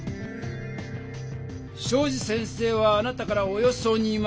東海林先生はあなたから「およそ２万円。